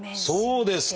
そうですか！